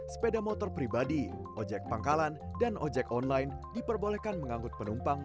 sepeda motor pribadi ojek pangkalan dan ojek online diperbolehkan mengangkut penumpang